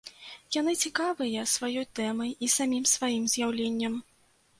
Яны цікавыя сваёй тэмай і самім сваім з'яўленнем.